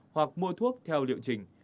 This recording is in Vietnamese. hoặc mua thuốc theo liệu trình